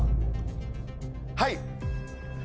はい。